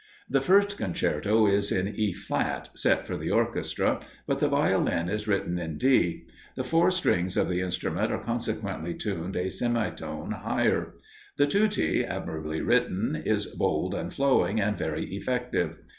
The first concerto is in E flat, set for the orchestra, but the Violin is written in D; the four strings of the instrument are consequently tuned a semitone higher. The tutti, admirably written, is bold and flowing, and very effective.